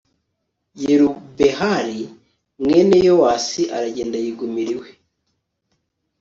yerubehali, mwene yowasi, aragenda yigumira iwe